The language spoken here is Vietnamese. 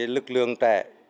lực lượng trẻ